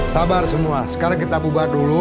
sabar semua sekarang kita bubar dulu